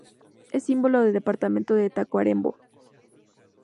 Es símbolo del departamento de Tacuarembó.